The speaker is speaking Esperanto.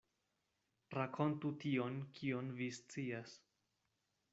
Rakontu tion, kion vi scias.